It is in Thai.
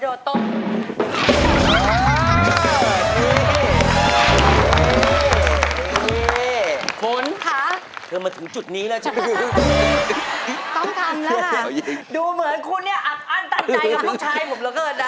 ดูเหมือนคุณเนี่ยอับอั้นตันใจกับลูกชายหมุมละเกิดนะ